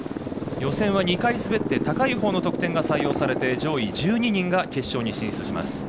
予選は２回滑って高いほうの得点が採用されて上位１２人が決勝に進出します。